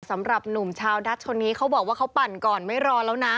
สำหรับหนุ่มชาวดัชคนนี้เขาบอกว่าเขาปั่นก่อนไม่รอแล้วนะ